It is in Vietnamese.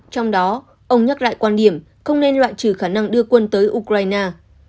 trong đó ông nhắc lại quan điểm không nên loại trừ khả năng đưa quân tới ukraine